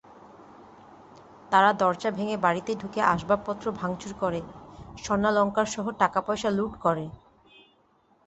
তাঁরা দরজা ভেঙে বাড়িতে ঢুকে আসবাবপত্র ভাঙচুর করে স্বর্ণালংকারসহ টাকাপয়সা লুট করে।